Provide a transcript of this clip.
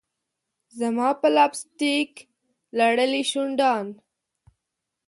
زما په لپ سټک لړلي شونډان